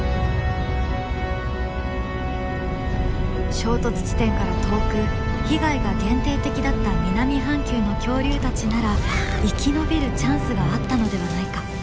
衝突地点から遠く被害が限定的だった南半球の恐竜たちなら生き延びるチャンスがあったのではないか。